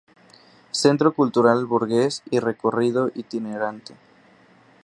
Centro Cultural Borges y recorrido itinerante.